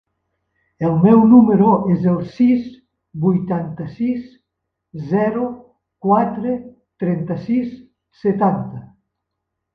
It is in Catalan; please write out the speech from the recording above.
El meu número es el sis, vuitanta-sis, zero, quatre, trenta-sis, setanta.